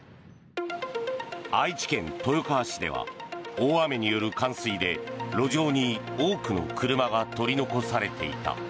愛知県豊川市では大雨による冠水で路上に多くの車が取り残されていた。